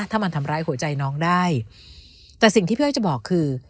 ถ้ามันทำร้ายหัวใจน้องได้แต่สิ่งที่พี่อ้อยจะบอกคือ